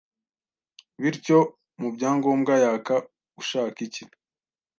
Bityo mu byangombwa yaka ushaka iki